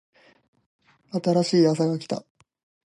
新しいあさが来た